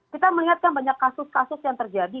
kita melihatkan banyak kasus kasus yang terjadi